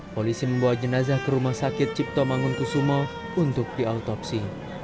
polisi membawa jenazah ke rumah sakit cipto mangunkusumo untuk diautopsi